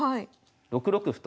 ６六歩と。